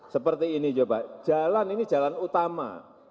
seperti ini coba jalan ini jalan utama